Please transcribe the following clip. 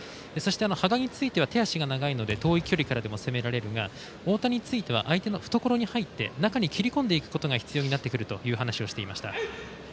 羽賀については手足が長いので遠い距離からでも攻められるが太田については中に切り込んでいくことが必要になってくるという話をしていました。